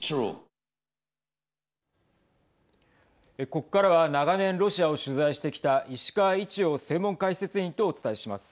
ここからは長年、ロシアを取材してきた石川一洋専門解説委員とお伝えします。